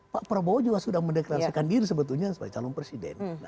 pak prabowo juga sudah mendeklarasikan diri sebetulnya sebagai calon presiden